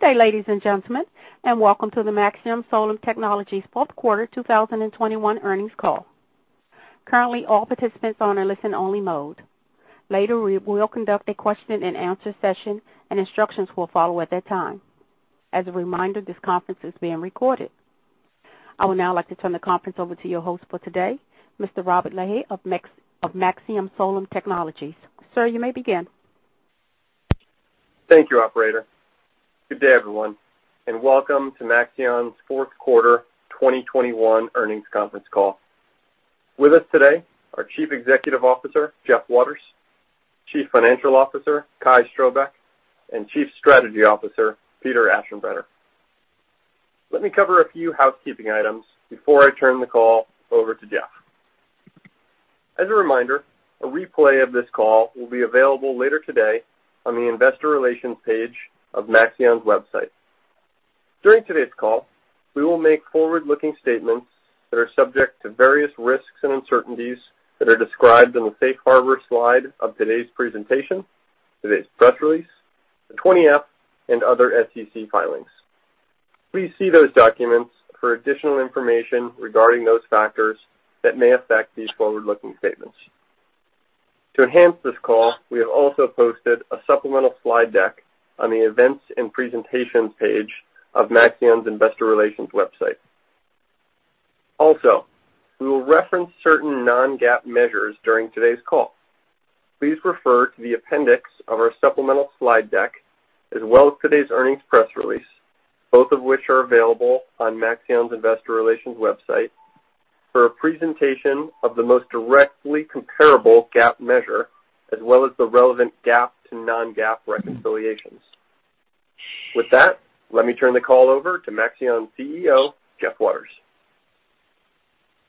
Good day, ladies and gentlemen, and welcome to the Maxeon Solar Technologies fourth quarter 2021 earnings call. Currently, all participants are in listen-only mode. Later, we will conduct a question-and-answer session, and instructions will follow at that time. As a reminder, this conference is being recorded. I would now like to turn the conference over to your host for today, Mr. Robert Lahey of Maxeon Solar Technologies. Sir, you may begin. Thank you, operator. Good day, everyone, and welcome to Maxeon's fourth quarter 2021 earnings conference call. With us today are Chief Executive Officer Jeff Waters; Chief Financial Officer Kai Strohbecke; and Chief Strategy Officer Peter Aschenbrenner. Let me cover a few housekeeping items before I turn the call over to Jeff. As a reminder, a replay of this call will be available later today on the investor relations page of Maxeon's website. During today's call, we will make forward-looking statements that are subject to various risks and uncertainties that are described in the safe harbor slide of today's presentation, today's press release, the 20-F, and other SEC filings. Please see those documents for additional information regarding those factors that may affect these forward-looking statements. To enhance this call, we have also posted a supplemental slide deck on the events and presentations page of Maxeon's investor relations website. Also, we will reference certain non-GAAP measures during today's call. Please refer to the appendix of our supplemental slide deck, as well as today's earnings press release, both of which are available on Maxeon's investor relations website, for a presentation of the most directly comparable GAAP measure, as well as the relevant GAAP to non-GAAP reconciliations. With that, let me turn the call over to Maxeon's CEO, Jeff Waters.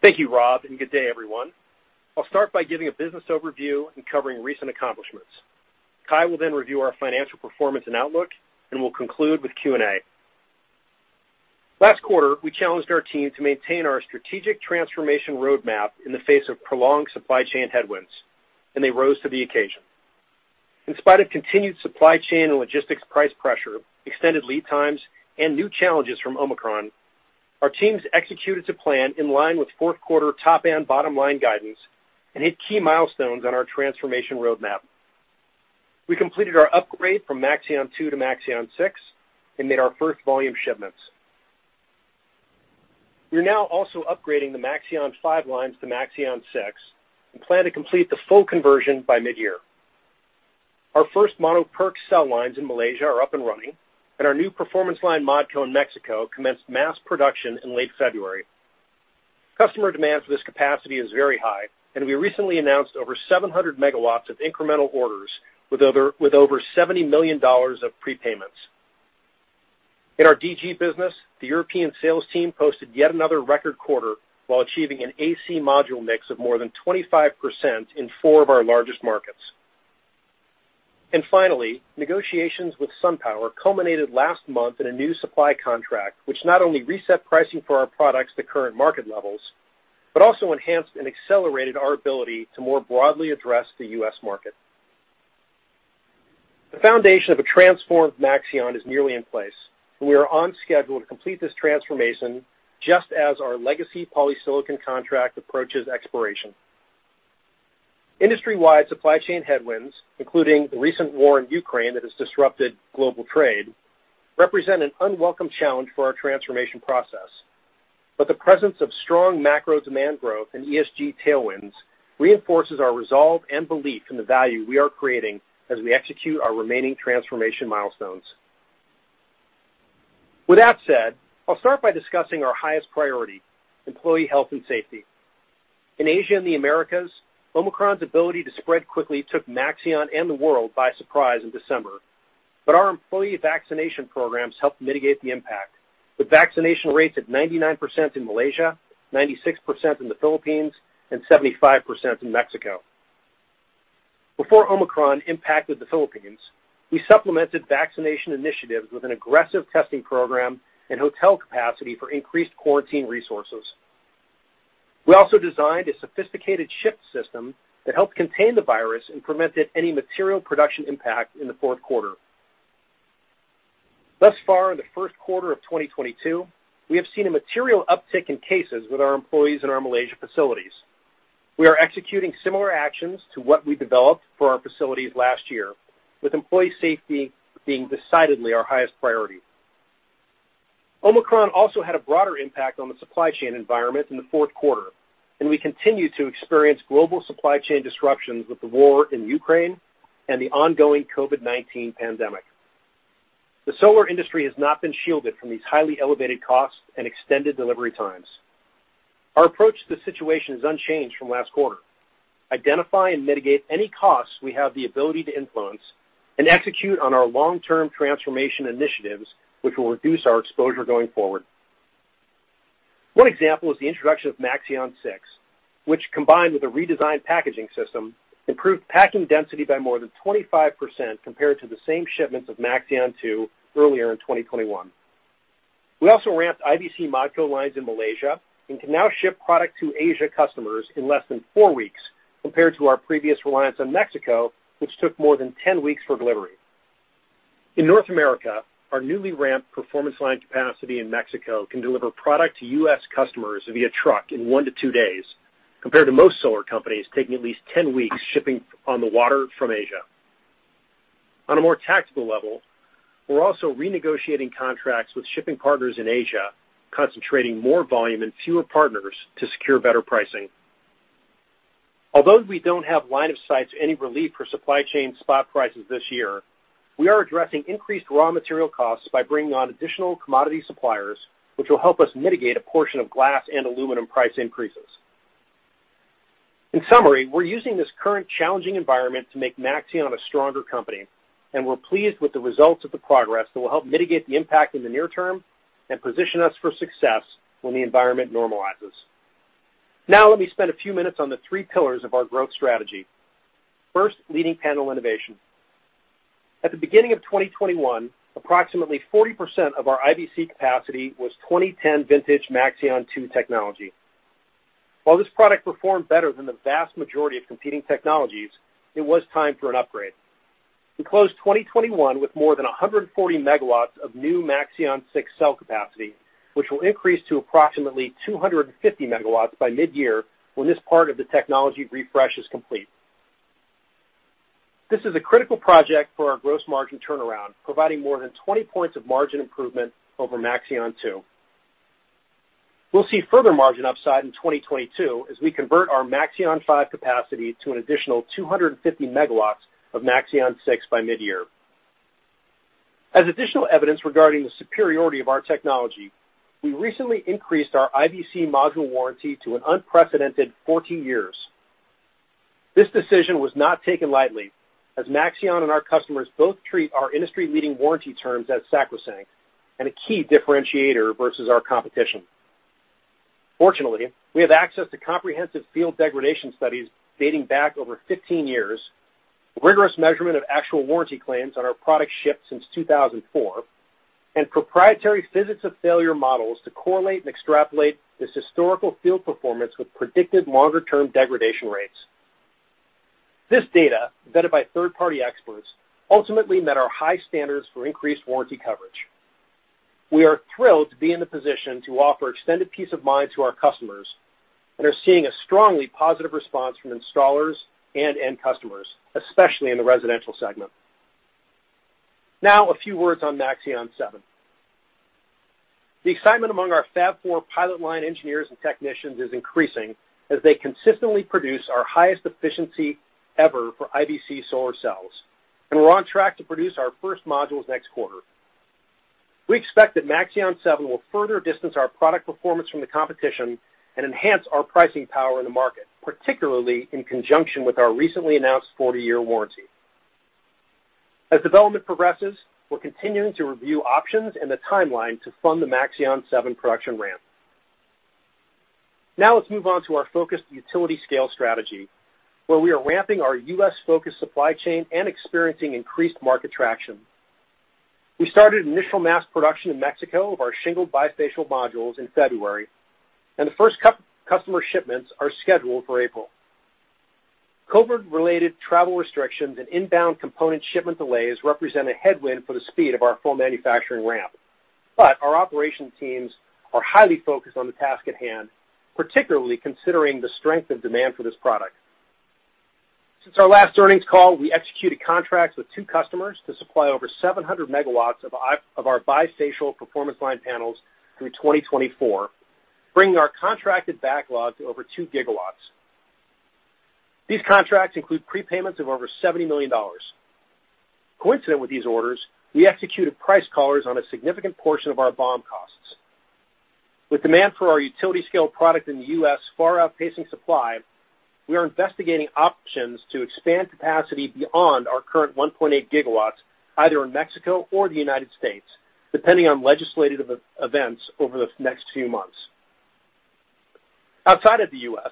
Thank you, Rob, and good day, everyone. I'll start by giving a business overview and covering recent accomplishments. Kai will then review our financial performance and outlook, and we'll conclude with Q&A. Last quarter, we challenged our team to maintain our strategic transformation roadmap in the face of prolonged supply chain headwinds, and they rose to the occasion. In spite of continued supply chain and logistics price pressure, extended lead times, and new challenges from Omicron, our teams executed to plan in line with fourth quarter top and bottom-line guidance and hit key milestones on our transformation roadmap. We completed our upgrade from Maxeon 2 to Maxeon 6 and made our first volume shipments. We are now also upgrading the Maxeon 5 lines to Maxeon 6 and plan to complete the full conversion by mid-year. Our first mono PERC cell lines in Malaysia are up and running, and our new Performance Line Modco in Mexico commenced mass production in late February. Customer demand for this capacity is very high, and we recently announced over 700 MW of incremental orders with over $70 million of prepayments. In our DG business, the European sales team posted yet another record quarter while achieving an AC module mix of more than 25% in four of our largest markets. Finally, negotiations with SunPower culminated last month in a new supply contract, which not only reset pricing for our products to current market levels, but also enhanced and accelerated our ability to more broadly address the U.S. market. The foundation of a transformed Maxeon is nearly in place, and we are on schedule to complete this transformation just as our legacy polysilicon contract approaches expiration. Industry-wide supply chain headwinds, including the recent war in Ukraine that has disrupted global trade, represent an unwelcome challenge for our transformation process. The presence of strong macro demand growth and ESG tailwinds reinforces our resolve and belief in the value we are creating as we execute our remaining transformation milestones. With that said, I'll start by discussing our highest priority, employee health and safety. In Asia and the Americas, Omicron's ability to spread quickly took Maxeon and the world by surprise in December. Our employee vaccination programs helped mitigate the impact, with vaccination rates at 99% in Malaysia, 96% in the Philippines, and 75% in Mexico. Before Omicron impacted the Philippines, we supplemented vaccination initiatives with an aggressive testing program and hotel capacity for increased quarantine resources. We also designed a sophisticated shift system that helped contain the virus and prevented any material production impact in the fourth quarter. Thus far in the first quarter of 2022, we have seen a material uptick in cases with our employees in our Malaysia facilities. We are executing similar actions to what we developed for our facilities last year, with employee safety being decidedly our highest priority. Omicron also had a broader impact on the supply chain environment in the fourth quarter, and we continue to experience global supply chain disruptions with the war in Ukraine and the ongoing COVID-19 pandemic. The solar industry has not been shielded from these highly elevated costs and extended delivery times. Our approach to the situation is unchanged from last quarter: identify and mitigate any costs we have the ability to influence and execute on our long-term transformation initiatives, which will reduce our exposure going forward. One example is the introduction of Maxeon 6, which, combined with a redesigned packaging system, improved packing density by more than 25% compared to the same shipments of Maxeon 2 earlier in 2021. We also ramped IBC module lines in Malaysia and can now ship product to Asian customers in less than four weeks compared to our previous reliance on Mexico, which took more than 10 weeks for delivery. In North America, our newly ramped Performance Line capacity in Mexico can deliver product to U.S. customers via truck in one to two days, compared to most solar companies taking at least 10 weeks shipping on the water from Asia. On a more tactical level, we're also renegotiating contracts with shipping partners in Asia, concentrating more volume and fewer partners to secure better pricing. Although we don't have line of sight to any relief for supply chain spot prices this year, we are addressing increased raw material costs by bringing on additional commodity suppliers, which will help us mitigate a portion of glass and aluminum price increases. In summary, we're using this current challenging environment to make Maxeon a stronger company, and we're pleased with the results of the progress that will help mitigate the impact in the near term and position us for success when the environment normalizes. Now let me spend a few minutes on the three pillars of our growth strategy. First, leading panel innovation. At the beginning of 2021, approximately 40% of our IBC capacity was 2010 vintage Maxeon 2 technology. While this product performed better than the vast majority of competing technologies, it was time for an upgrade. We closed 2021 with more than 140 MW of new Maxeon 6 cell capacity, which will increase to approximately 250 MW by mid-year when this part of the technology refresh is complete. This is a critical project for our gross margin turnaround, providing more than 20 points of margin improvement over Maxeon 2. We'll see further margin upside in 2022 as we convert our Maxeon 5 capacity to an additional 250 MW of Maxeon 6 by mid-year. As additional evidence regarding the superiority of our technology, we recently increased our IBC module warranty to an unprecedented 40 years. This decision was not taken lightly, as Maxeon and our customers both treat our industry-leading warranty terms as sacrosanct and a key differentiator versus our competition. Fortunately, we have access to comprehensive field degradation studies dating back over 15 years, rigorous measurement of actual warranty claims on our product shipped since 2004, and proprietary physics of failure models to correlate and extrapolate this historical field performance with predicted longer-term degradation rates. This data, vetted by third-party experts, ultimately met our high standards for increased warranty coverage. We are thrilled to be in the position to offer extended peace of mind to our customers and are seeing a strongly positive response from installers and end customers, especially in the residential segment. Now a few words on Maxeon 7. The excitement among our Fab 4 pilot line engineers and technicians is increasing as they consistently produce our highest efficiency ever for IBC solar cells. We're on track to produce our first modules next quarter. We expect that Maxeon 7 will further distance our product performance from the competition and enhance our pricing power in the market, particularly in conjunction with our recently announced 40-year warranty. As development progresses, we're continuing to review options and the timeline to fund the Maxeon 7 production ramp. Now let's move on to our focused utility-scale strategy, where we are ramping our U.S.-focused supply chain and experiencing increased market traction. We started initial mass production in Mexico of our shingled bifacial modules in February, and the first customer shipments are scheduled for April. COVID-related travel restrictions and inbound component shipment delays represent a headwind for the speed of our full manufacturing ramp. Our operations teams are highly focused on the task at hand, particularly considering the strength of demand for this product. Since our last earnings call, we executed contracts with two customers to supply over 700 MW of our bifacial Performance Line panels through 2024, bringing our contracted backlog to over 2 GW. These contracts include prepayments of over $70 million. Coincident with these orders, we executed price collars on a significant portion of our BOM costs. With demand for our utility-scale product in the U.S. far outpacing supply, we are investigating options to expand capacity beyond our current 1.8 GW, either in Mexico or the United States, depending on legislative events over the next few months. Outside of the U.S.,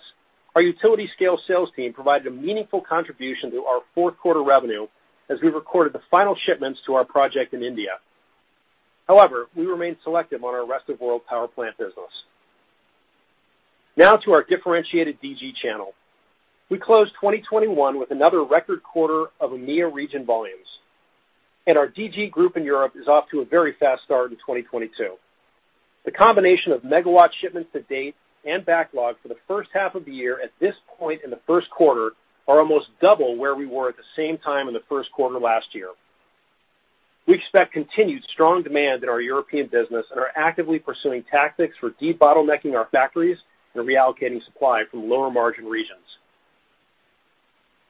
our utility scale sales team provided a meaningful contribution to our fourth quarter revenue as we recorded the final shipments to our project in India. However, we remain selective on our rest of world power plant business. Now to our differentiated DG channel. We closed 2021 with another record quarter of EMEA region volumes, and our DG group in Europe is off to a very fast start in 2022. The combination of megawatt shipments to date and backlog for the first half of the year at this point in the first quarter are almost double where we were at the same time in the first quarter last year. We expect continued strong demand in our European business and are actively pursuing tactics for debottlenecking our factories and reallocating supply from lower-margin regions.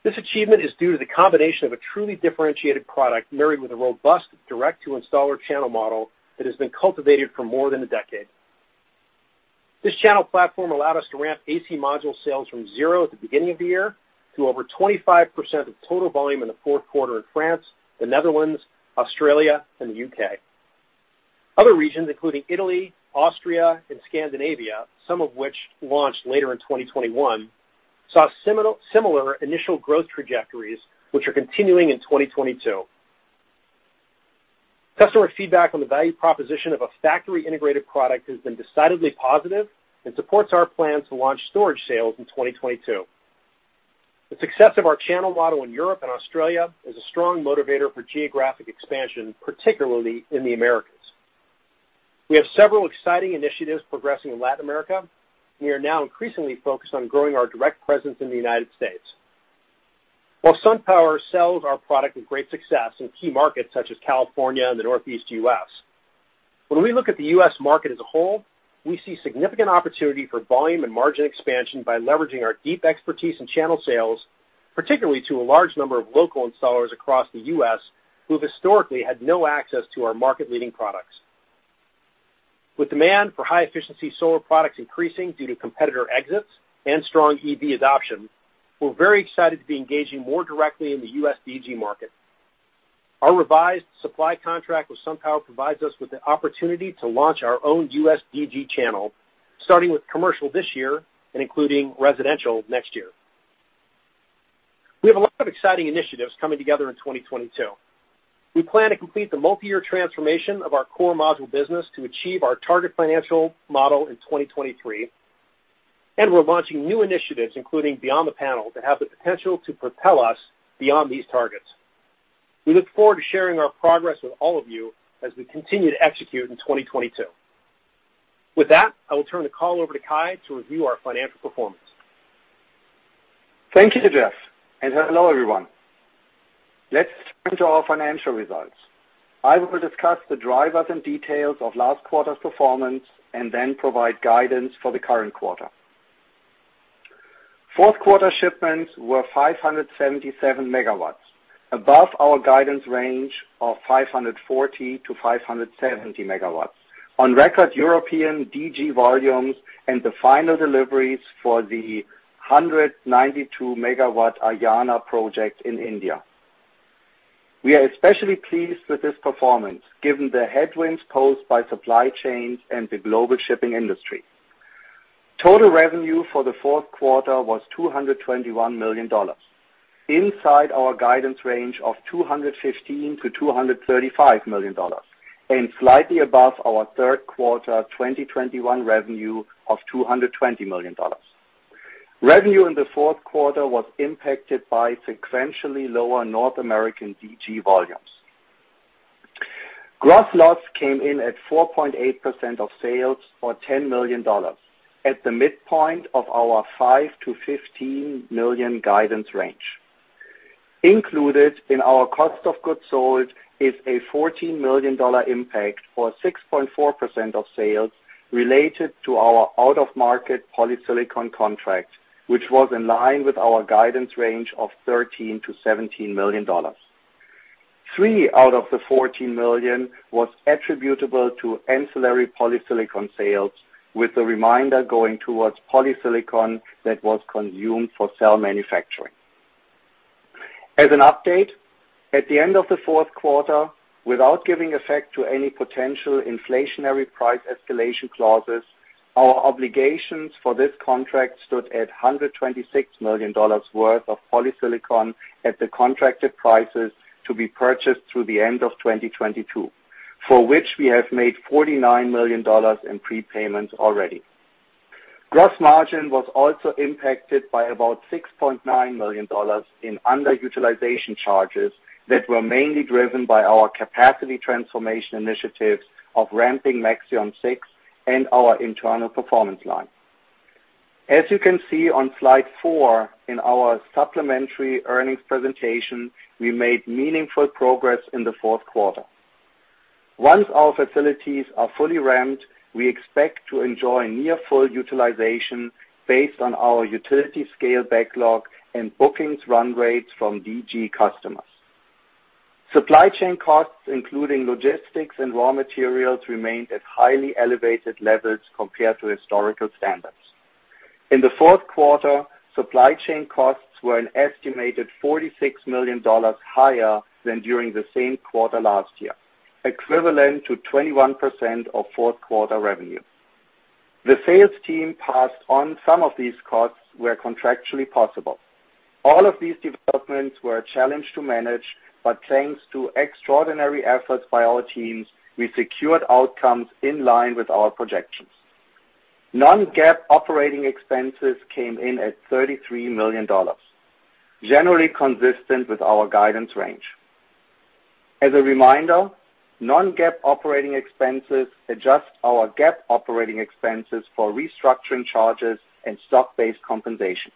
This achievement is due to the combination of a truly differentiated product married with a robust direct-to-installer channel model that has been cultivated for more than a decade. This channel platform allowed us to ramp AC module sales from zero at the beginning of the year to over 25% of total volume in the fourth quarter in France, the Netherlands, Australia, and the U.K. Other regions, including Italy, Austria, and Scandinavia, some of which launched later in 2021 saw similar initial growth trajectories which are continuing in 2022. Customer feedback on the value proposition of a factory-integrated product has been decidedly positive and supports our plan to launch storage sales in 2022. The success of our channel model in Europe and Australia is a strong motivator for geographic expansion, particularly in the Americas. We have several exciting initiatives progressing in Latin America, and we are now increasingly focused on growing our direct presence in the United States. While SunPower sells our product with great success in key markets such as California and the Northeast U.S., when we look at the U.S. market as a whole, we see significant opportunity for volume and margin expansion by leveraging our deep expertise in channel sales, particularly to a large number of local installers across the U.S. who have historically had no access to our market-leading products. With demand for high-efficiency solar products increasing due to competitor exits and strong EV adoption, we're very excited to be engaging more directly in the U.S. DG market. Our revised supply contract with SunPower provides us with the opportunity to launch our own U.S. DG channel, starting with commercial this year and including residential next year. We have a lot of exciting initiatives coming together in 2022. We plan to complete the multiyear transformation of our core module business to achieve our target financial model in 2023, and we're launching new initiatives, including Beyond the Panel, that have the potential to propel us beyond these targets. We look forward to sharing our progress with all of you as we continue to execute in 2022. With that, I will turn the call over to Kai to review our financial performance. Thank you, Jeff, and hello, everyone. Let's turn to our financial results. I will discuss the drivers and details of last quarter's performance and then provide guidance for the current quarter. Fourth quarter shipments were 577 MW, above our guidance range of 540-570 MW, on record European DG volumes and the final deliveries for the 192 MW Ayana project in India. We are especially pleased with this performance given the headwinds posed by supply chains and the global shipping industry. Total revenue for the fourth quarter was $221 million, inside our guidance range of $215 million-$235 million, and slightly above our third quarter 2021 revenue of $220 million. Revenue in the fourth quarter was impacted by sequentially lower North American DG volumes. Gross loss came in at 4.8% of sales, or $10 million, at the midpoint of our $5 million-$15 million guidance range. Included in our cost of goods sold is a $14 million impact, or 6.4% of sales, related to our out-of-market polysilicon contract, which was in line with our guidance range of $13 million-$17 million. $3 million out of the $14 million was attributable to ancillary polysilicon sales, with the remainder going towards polysilicon that was consumed for cell manufacturing. As an update, at the end of the fourth quarter, without giving effect to any potential inflationary price escalation clauses, our obligations for this contract stood at $126 million worth of polysilicon at the contracted prices to be purchased through the end of 2022, for which we have made $49 million in prepayments already. Gross margin was also impacted by about $6.9 million in underutilization charges that were mainly driven by our capacity transformation initiatives of ramping Maxeon 6 and our internal Performance Line. As you can see on slide four in our supplementary earnings presentation, we made meaningful progress in the fourth quarter. Once our facilities are fully ramped, we expect to enjoy near full utilization based on our utility-scale backlog and bookings run rates from DG customers. Supply chain costs, including logistics and raw materials, remained at highly elevated levels compared to historical standards. In the fourth quarter, supply chain costs were an estimated $46 million higher than during the same quarter last year, equivalent to 21% of fourth quarter revenue. The sales team passed on some of these costs where contractually possible. All of these developments were a challenge to manage, but thanks to extraordinary efforts by our teams, we secured outcomes in line with our projections. Non-GAAP operating expenses came in at $33 million, generally consistent with our guidance range. As a reminder, non-GAAP operating expenses adjust our GAAP operating expenses for restructuring charges and stock-based compensation.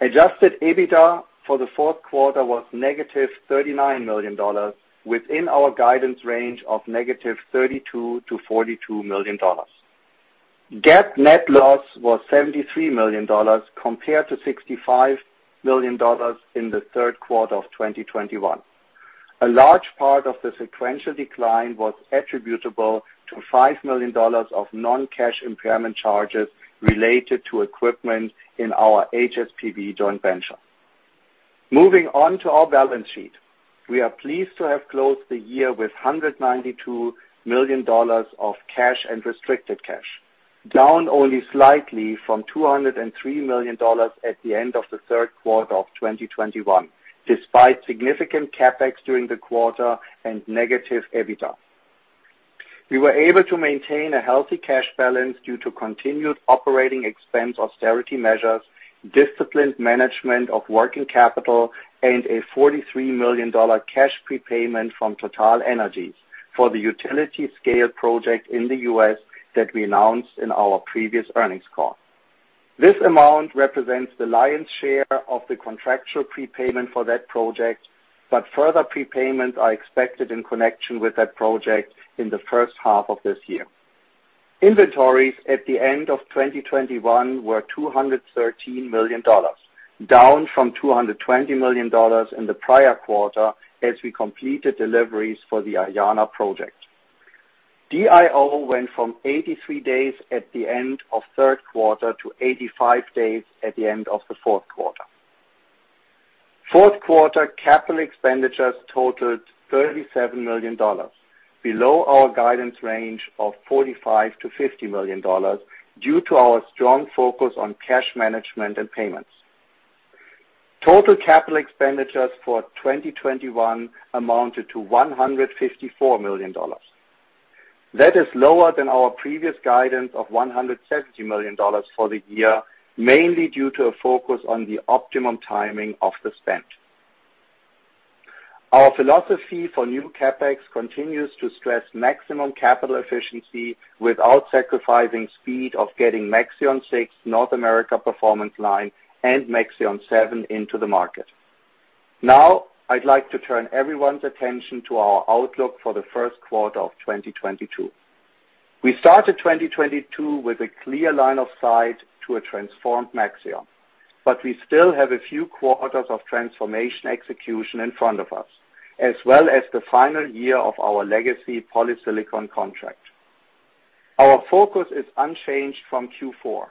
Adjusted EBITDA for the fourth quarter was -$39 million within our guidance range of -$32 million to $42 million. GAAP net loss was $73 million compared to $65 million in the third quarter of 2021. A large part of the sequential decline was attributable to $5 million of non-cash impairment charges related to equipment in our HSPV joint venture. Moving on to our balance sheet. We are pleased to have closed the year with $192 million of cash and restricted cash, down only slightly from $203 million at the end of the third quarter of 2021, despite significant CapEx during the quarter and negative EBITDA. We were able to maintain a healthy cash balance due to continued operating expense austerity measures, disciplined management of working capital, and a $43 million cash prepayment from TotalEnergies for the utility-scale project in the U.S. that we announced in our previous earnings call. This amount represents the lion's share of the contractual prepayment for that project, but further prepayments are expected in connection with that project in the first half of this year. Inventories at the end of 2021 were $213 million, down from $220 million in the prior quarter as we completed deliveries for the Ayana project. DIO went from 83 days at the end of third quarter to 85 days at the end of the fourth quarter. Fourth quarter capital expenditures totaled $37 million, below our guidance range of $45 million-$50 million due to our strong focus on cash management and payments. Total capital expenditures for 2021 amounted to $154 million. That is lower than our previous guidance of $170 million for the year, mainly due to a focus on the optimum timing of the spend. Our philosophy for new CapEx continues to stress maximum capital efficiency without sacrificing speed of getting Maxeon 6 North America Performance Line and Maxeon 7 into the market. Now, I'd like to turn everyone's attention to our outlook for the first quarter of 2022. We started 2022 with a clear line of sight to a transformed Maxeon, but we still have a few quarters of transformation execution in front of us, as well as the final year of our legacy polysilicon contract. Our focus is unchanged from Q4,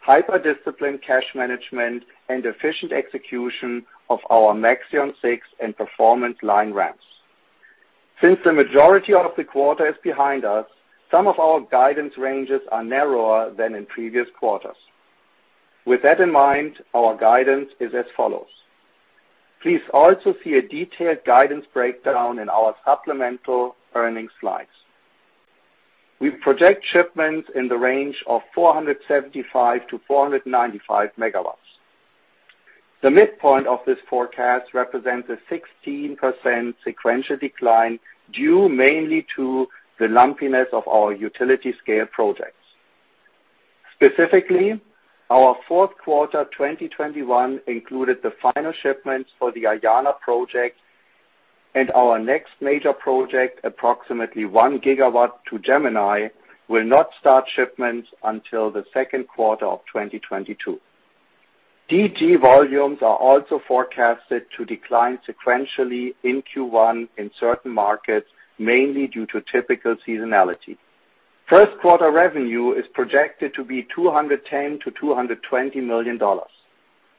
hyper-disciplined cash management and efficient execution of our Maxeon 6 and Performance Line ramps. Since the majority of the quarter is behind us, some of our guidance ranges are narrower than in previous quarters. With that in mind, our guidance is as follows. Please also see a detailed guidance breakdown in our supplemental earnings slides. We project shipments in the range of 475-495 MW. The midpoint of this forecast represents a 16% sequential decline, due mainly to the lumpiness of our utility-scale projects. Specifically, our fourth quarter 2021 included the final shipments for the Ayana project, and our next major project, approximately 1 GW to Gemini, will not start shipments until the second quarter of 2022. DG volumes are also forecasted to decline sequentially in Q1 in certain markets, mainly due to typical seasonality. First quarter revenue is projected to be $210 million-$220 million.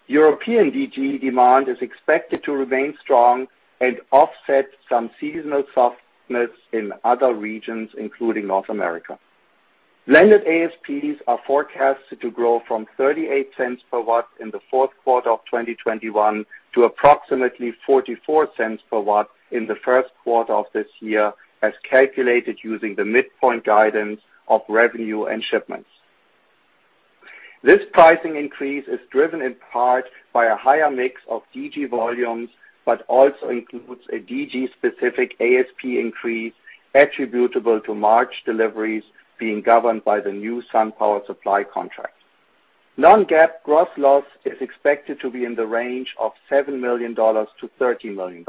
European DG demand is expected to remain strong and offset some seasonal softness in other regions, including North America. Landed ASPs are forecasted to grow from $0.38 per watt in the fourth quarter of 2021 to approximately $0.44 per watt in the first quarter of this year, as calculated using the midpoint guidance of revenue and shipments. This pricing increase is driven in part by a higher mix of DG volumes, but also includes a DG-specific ASP increase attributable to March deliveries being governed by the new SunPower supply contract. Non-GAAP gross loss is expected to be in the range of $7 million-$13 million.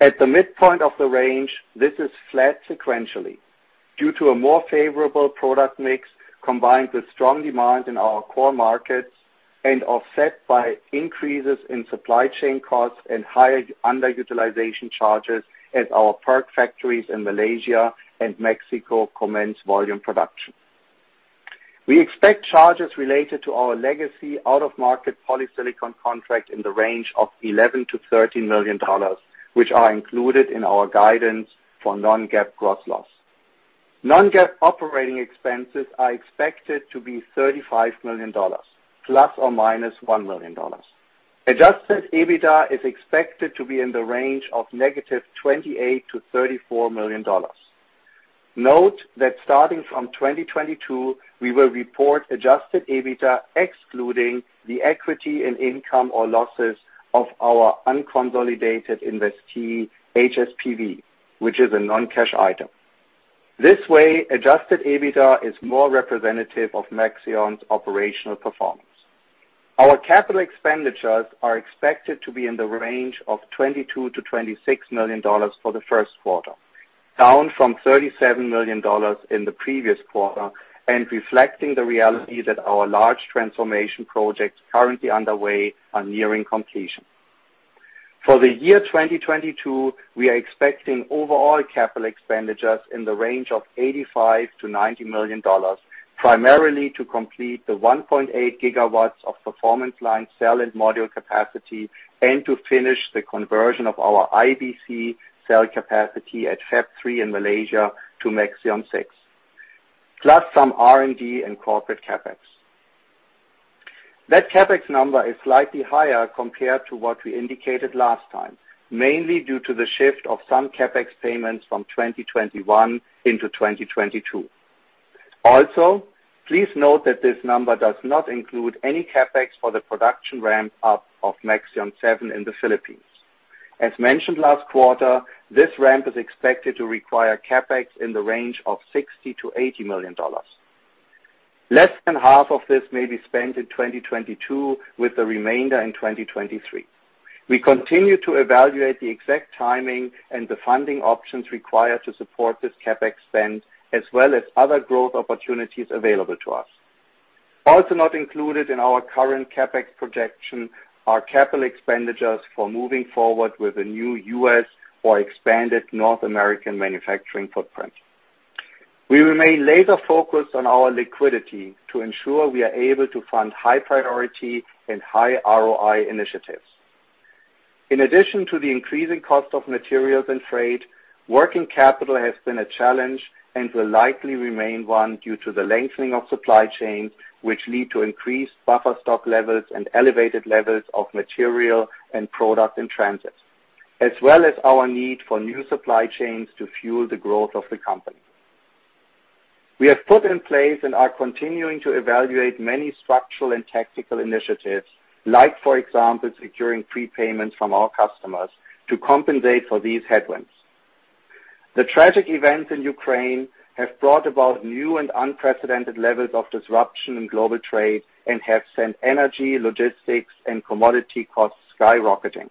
At the midpoint of the range, this is flat sequentially due to a more favorable product mix, combined with strong demand in our core markets and offset by increases in supply chain costs and higher underutilization charges at our PERC factories in Malaysia and Mexico commence volume production. We expect charges related to our legacy out-of-market polysilicon contract in the range of $11 million-$13 million, which are included in our guidance for non-GAAP gross loss. Non-GAAP operating expenses are expected to be $35 million, ±$1 million. Adjusted EBITDA is expected to be in the range of -$28 million to $34 million. Note that starting from 2022, we will report adjusted EBITDA excluding the equity and income or losses of our unconsolidated investee, HSPV, which is a non-cash item. This way, adjusted EBITDA is more representative of Maxeon's operational performance. Our capital expenditures are expected to be in the range of $22 million-$26 million for the first quarter, down from $37 million in the previous quarter and reflecting the reality that our large transformation projects currently underway are nearing completion. For the year 2022, we are expecting overall capital expenditures in the range of $85 million-$90 million, primarily to complete the 1.8 GW of Performance Line cell and module capacity and to finish the conversion of our IBC cell capacity at Fab 3 in Malaysia to Maxeon 6, plus some R&D and corporate CapEx. That CapEx number is slightly higher compared to what we indicated last time, mainly due to the shift of some CapEx payments from 2021 into 2022. Also, please note that this number does not include any CapEx for the production ramp up of Maxeon 7 in the Philippines. As mentioned last quarter, this ramp is expected to require CapEx in the range of $60 million-$80 million. Less than half of this may be spent in 2022, with the remainder in 2023. We continue to evaluate the exact timing and the funding options required to support this CapEx spend, as well as other growth opportunities available to us. Also not included in our current CapEx projection are capital expenditures for moving forward with a new U.S. or expanded North American manufacturing footprint. We remain laser-focused on our liquidity to ensure we are able to fund high priority and high ROI initiatives. In addition to the increasing cost of materials and freight, working capital has been a challenge and will likely remain one due to the lengthening of supply chains, which lead to increased buffer stock levels and elevated levels of material and product in transit, as well as our need for new supply chains to fuel the growth of the company. We have put in place and are continuing to evaluate many structural and tactical initiatives like, for example, securing prepayments from our customers to compensate for these headwinds. The tragic events in Ukraine have brought about new and unprecedented levels of disruption in global trade and have sent energy, logistics, and commodity costs skyrocketing.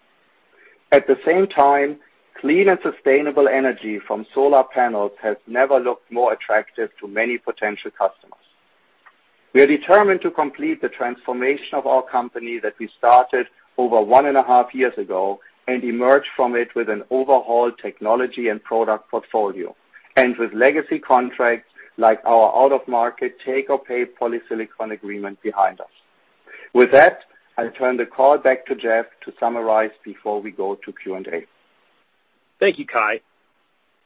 At the same time, clean and sustainable energy from solar panels has never looked more attractive to many potential customers. We are determined to complete the transformation of our company that we started over one and a half years ago and emerge from it with an overhauled technology and product portfolio, and with legacy contracts like our out-of-market take-or-pay polysilicon agreement behind us. With that, I turn the call back to Jeff to summarize before we go to Q&A. Thank you, Kai.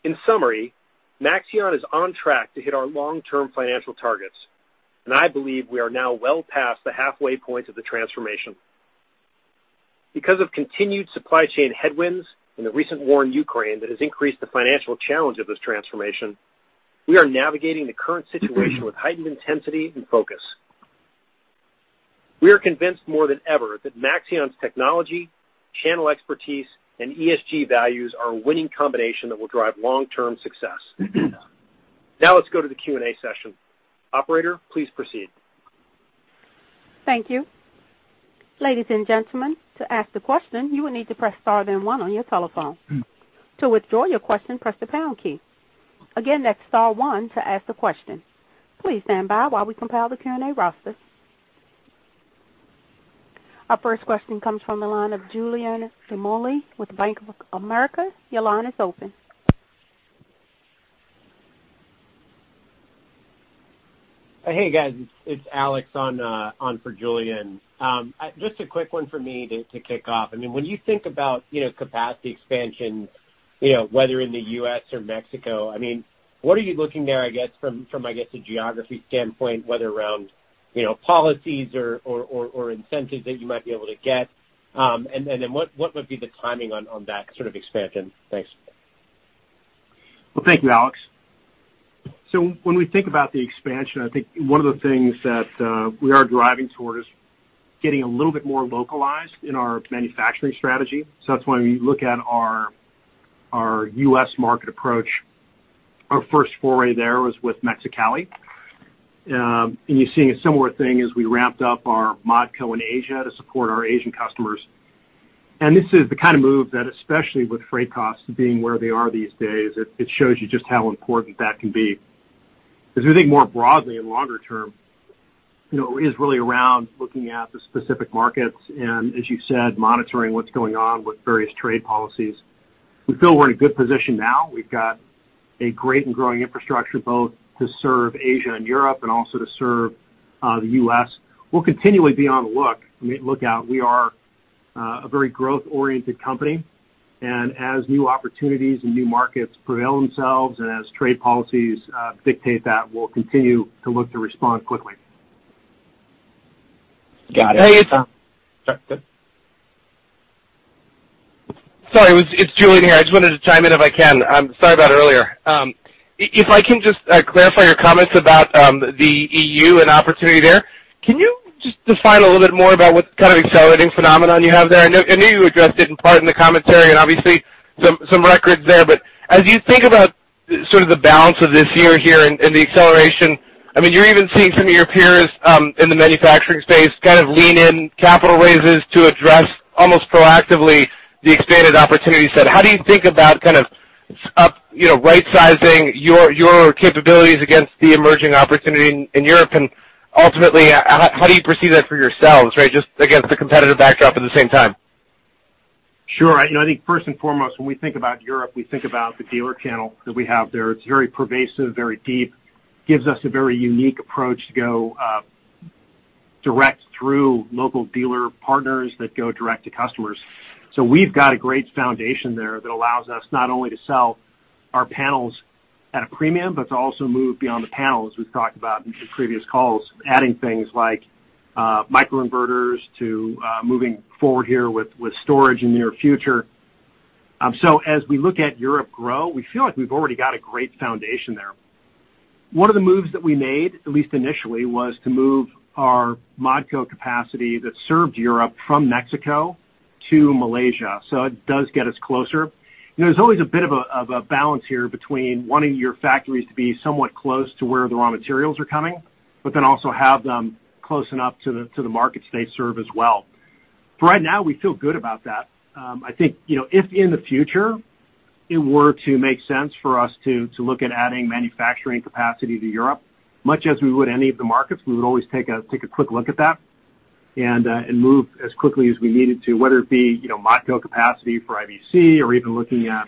In summary, Maxeon is on track to hit our long-term financial targets, and I believe we are now well past the halfway point of the transformation. Because of continued supply chain headwinds and the recent war in Ukraine that has increased the financial challenge of this transformation, we are navigating the current situation with heightened intensity and focus. We are convinced more than ever that Maxeon's technology, channel expertise, and ESG values are a winning combination that will drive long-term success. Now let's go to the Q&A session. Operator, please proceed. Thank you. Ladies and gentlemen, to ask the question, you will need to press star then one on your telephone. To withdraw your question, press the pound key. Again, that's star one to ask the question. Please stand by while we compile the Q&A roster. Our first question comes from the line of Julien Dumoulin with Bank of America. Your line is open. Hey, guys, it's Alex on for Julien. Just a quick one for me to kick off. I mean, when you think about, you know, capacity expansion, you know, whether in the U.S. or Mexico, I mean, what are you looking there, I guess, from, I guess, a geography standpoint, whether around, you know, policies or incentives that you might be able to get? What would be the timing on that sort of expansion? Thanks. Well, thank you, Alex. When we think about the expansion, I think one of the things that we are driving toward is getting a little bit more localized in our manufacturing strategy. That's why when you look at our U.S. market approach, our first foray there was with Mexicali. You're seeing a similar thing as we ramped up our Modco in Asia to support our Asian customers. This is the kind of move that, especially with freight costs being where they are these days, it shows you just how important that can be. As we think more broadly and longer term, you know, it is really around looking at the specific markets and, as you said, monitoring what's going on with various trade policies. We feel we're in a good position now. We've got a great and growing infrastructure both to serve Asia and Europe and also to serve the U.S. We'll continually be on the lookout. We are a very growth-oriented company, and as new opportunities and new markets present themselves and as trade policies dictate that, we'll continue to look to respond quickly. Got it. Hey, it's- Sorry, go ahead. It's Julien here. I just wanted to chime in if I can. I'm sorry about earlier. If I can just clarify your comments about the E.U. and opportunity there, can you just define a little bit more about what kind of accelerating phenomenon you have there? I know you addressed it in part in the commentary, and obviously some records there, but as you think about sort of the balance of this year here and the acceleration, I mean, you're even seeing some of your peers in the manufacturing space kind of lean in capital raises to address almost proactively the expanded opportunity set. How do you think about kind of... You know, rightsizing your capabilities against the emerging opportunity in Europe. Ultimately, how do you perceive that for yourselves, right? Just against the competitive backdrop at the same time. Sure. You know, I think first and foremost, when we think about Europe, we think about the dealer channel that we have there. It's very pervasive, very deep. Gives us a very unique approach to go direct through local dealer partners that go direct to customers. We've got a great foundation there that allows us not only to sell our panels at a premium but to also move beyond the panels we've talked about in previous calls, adding things like microinverters to moving forward here with storage in the near future. As we look at Europe grow, we feel like we've already got a great foundation there. One of the moves that we made, at least initially, was to move our Modco capacity that served Europe from Mexico to Malaysia. It does get us closer. You know, there's always a bit of a balance here between wanting your factories to be somewhat close to where the raw materials are coming, but then also have them close enough to the markets they serve as well. For right now, we feel good about that. I think, you know, if in the future it were to make sense for us to look Mat adding manufacturing capacity to Europe, much as we would any of the markets, we would always take a quick look at that and move as quickly as we needed to, whether it be, you know, Modco capacity for IBC or even looking at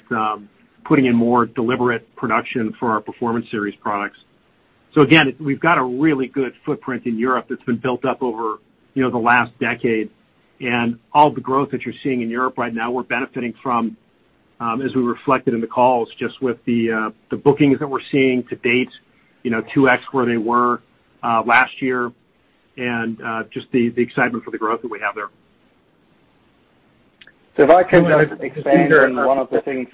putting in more deliberate production for our Performance Series products. Again, we've got a really good footprint in Europe that's been built up over, you know, the last decade. All the growth that you're seeing in Europe right now, we're benefiting from, as we reflected in the calls, just with the bookings that we're seeing to date, you know, 2x where they were last year, and just the excitement for the growth that we have there. If I can just expand on one of the things.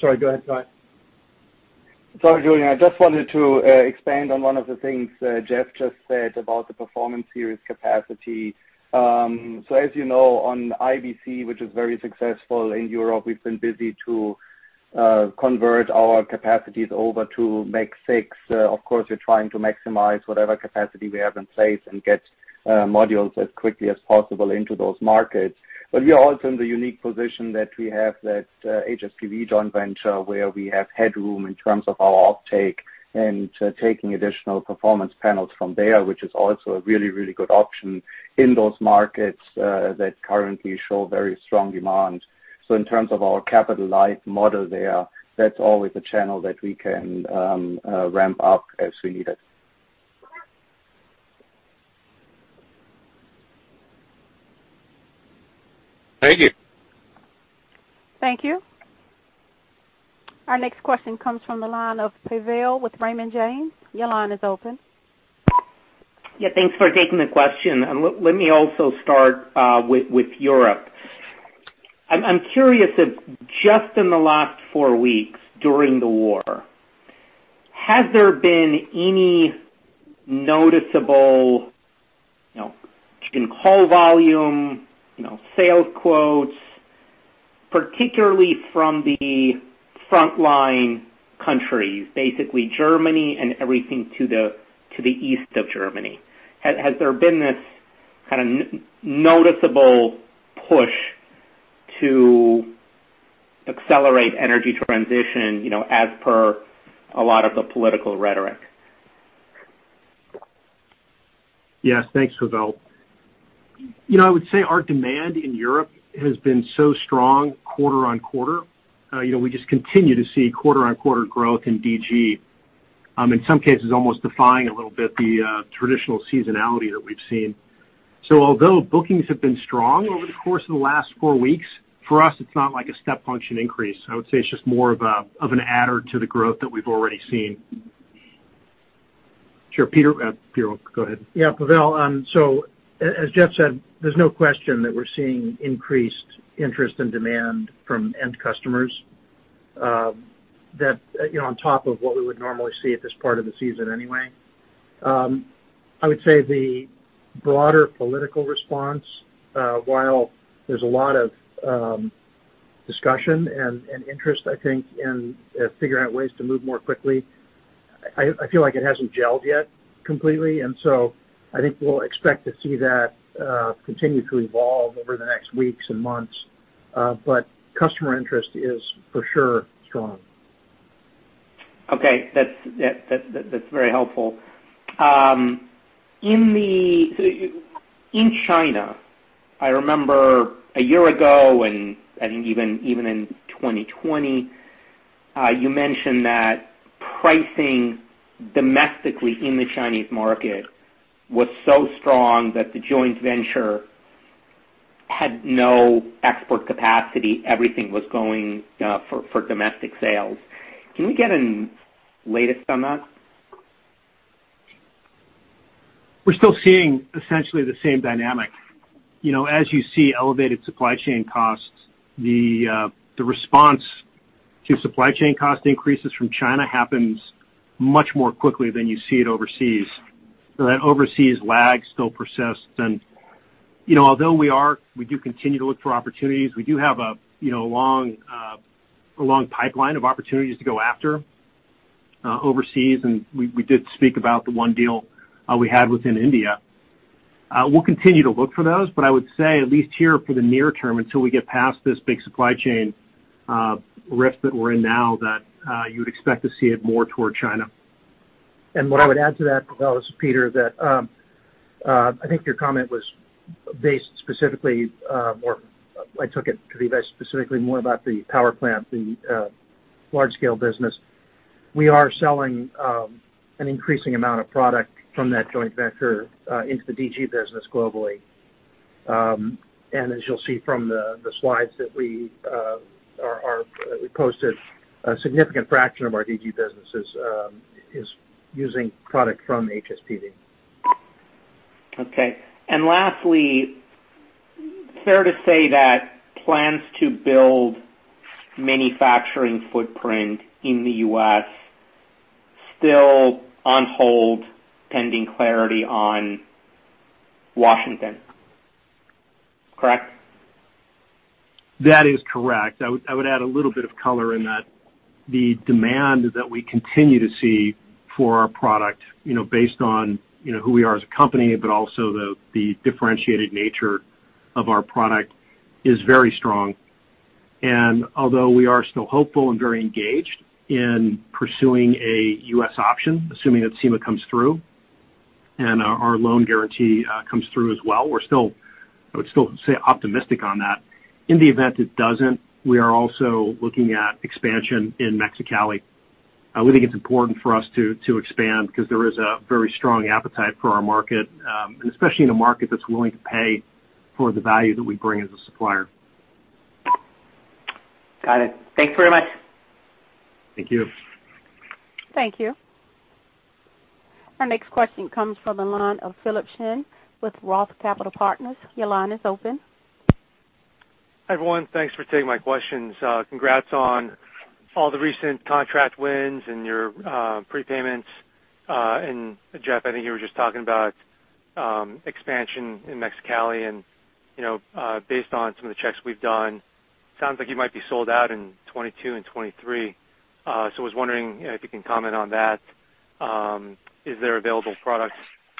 Sorry, go ahead. Go ahead. Sorry, Julien. I just wanted to expand on one of the things Jeff just said about the Performance Series capacity. As you know, on IBC, which is very successful in Europe, we've been busy to convert our capacities over to Max 6. Of course, we're trying to maximize whatever capacity we have in place and get modules as quickly as possible into those markets. But we are also in the unique position that we have that HSPV joint venture where we have headroom in terms of our offtake and taking additional Performance panels from there, which is also a really, really good option in those markets that currently show very strong demand. In terms of our capital-light model there, that's always a channel that we can ramp up as we need it. Thank you. Thank you. Our next question comes from the line of Pavel with Raymond James. Your line is open. Yeah, thanks for taking the question. Let me also start with Europe. I'm curious if just in the last four weeks during the war, has there been any noticeable, you know, change in call volume, you know, sales quotes, particularly from the frontline countries, basically Germany and everything to the east of Germany? Has there been this kind of noticeable push to accelerate energy transition, you know, as per a lot of the political rhetoric? Yes, thanks, Pavel. You know, I would say our demand in Europe has been so strong quarter-over-quarter. You know, we just continue to see quarter-over-quarter growth in DG, in some cases, almost defying a little bit the traditional seasonality that we've seen. So although bookings have been strong over the course of the last four weeks, for us, it's not like a step function increase. I would say it's just more of an adder to the growth that we've already seen. Sure, Peter. Peter, go ahead. Yeah, Pavel. As Jeff said, there's no question that we're seeing increased interest and demand from end customers, that, you know, on top of what we would normally see at this part of the season anyway. I would say the broader political response, while there's a lot of discussion and interest, I think in figuring out ways to move more quickly, I feel like it hasn't gelled yet completely. I think we'll expect to see that continue to evolve over the next weeks and months. Customer interest is for sure strong. Okay. That's very helpful. In China, I remember a year ago, and I think even in 2020, you mentioned that pricing domestically in the Chinese market was so strong that the joint venture had no export capacity. Everything was going for domestic sales. Can we get the latest on that? We're still seeing essentially the same dynamic. You know, as you see elevated supply chain costs, the response to supply chain cost increases from China happens much more quickly than you see it overseas. That overseas lag still persists. You know, we do continue to look for opportunities. We do have a long pipeline of opportunities to go after overseas. We did speak about the one deal we had within India. We'll continue to look for those, but I would say at least here for the near term, until we get past this big supply chain risk that we're in now, that you would expect to see it more toward China. What I would add to that, Pavel, is, this is Peter, that, I think your comment was based specifically, or I took it to be very specifically more about the power plant, the large-scale business. We are selling an increasing amount of product from that joint venture into the DG business globally. As you'll see from the slides that we posted, a significant fraction of our DG businesses is using product from HSPV. Okay. Lastly, fair to say that plans to build manufacturing footprint in the U.S. still on hold pending clarity on Washington. Correct? That is correct. I would add a little bit of color in that the demand that we continue to see for our product, you know, based on, you know, who we are as a company, but also the differentiated nature of our product is very strong. Although we are still hopeful and very engaged in pursuing a U.S. option, assuming that SEMA comes through and our loan guarantee comes through as well, we're still optimistic on that. I would still say optimistic on that. In the event it doesn't, we are also looking at expansion in Mexicali. We think it's important for us to expand 'cause there is a very strong appetite for our market, and especially in a market that's willing to pay for the value that we bring as a supplier. Got it. Thank you very much. Thank you. Thank you. Our next question comes from the line of Philip Shen with Roth Capital Partners. Your line is open. Hi, everyone. Thanks for taking my questions. Congrats on all the recent contract wins and your prepayments. Jeff, I think you were just talking about expansion in Mexicali, and you know, based on some of the checks we've done, sounds like you might be sold out in 2022 and 2023. I was wondering if you can comment on that. Is there available product